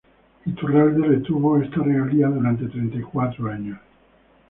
Iturralde retuvo esta regalía durante treinta y cuatro años.